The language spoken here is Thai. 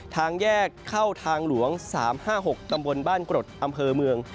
ทางแยกเข้าทางหลวง๓๕๖ตำบลบ้านกรดอำเภอเมือง